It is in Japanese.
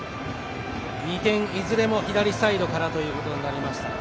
２点いずれも左サイドからとなりました。